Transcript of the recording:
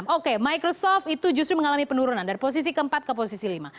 oke microsoft itu justru mengalami penurunan dari posisi ke empat ke posisi ke lima